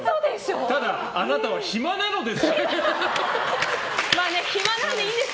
ただあなたは暇なのです。